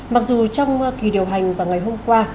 mặc dù trong kỳ điều hành vào ngày hôm qua